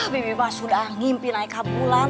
bibi pak sudah ngimpi naik ke bulan